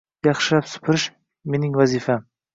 Yaxshilab supurish – mening vazifam.